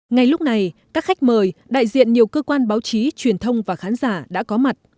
ngay lúc này các khách mời đại diện nhiều cơ quan báo chí truyền thông và khán giả đã có mặt